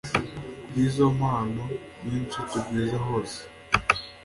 Bw izo mpano nyinshi tugwiza hose